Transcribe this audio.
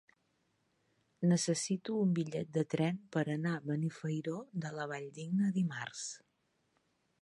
Necessito un bitllet de tren per anar a Benifairó de la Valldigna dimarts.